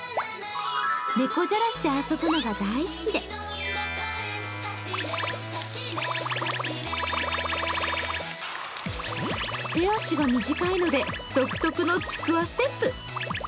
猫じゃらしで遊ぶのが大好きで手足が短いので、独特のちくわステップ。